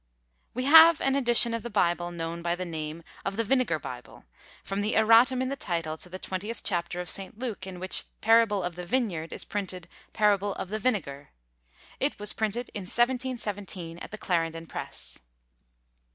We have an edition of the Bible, known by the name of The Vinegar Bible; from the erratum in the title to the 20th chap. of St. Luke, in which "Parable of the Vineyard," is printed, "Parable of the Vinegar." It was printed in 1717, at the Clarendon press.